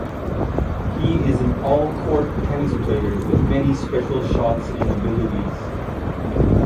He is an all-court tennis player with many special shots and abilities.